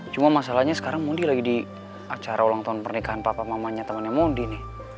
cuma masalahnya sekarang modi lagi di acara ulang tahun pernikahan papa mamanya temannya mondi nih